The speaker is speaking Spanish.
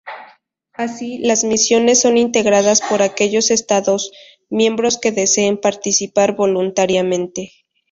Así, las misiones son integradas por aquellos estados miembros que deseen participar voluntariamente.